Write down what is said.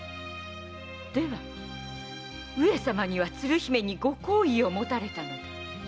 では上様には鶴姫にご好意を持たれたので？